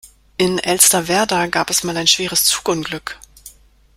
In Elsterwerda gab es mal ein schweres Zugunglück.